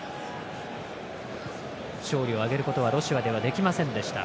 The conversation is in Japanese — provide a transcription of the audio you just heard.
勝利を挙げることはロシアではできませんでした。